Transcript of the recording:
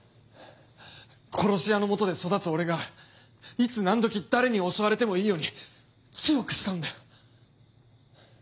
殺し屋のもとで育つ俺がいつなんどき誰に襲われてもいいように強くしたんだ。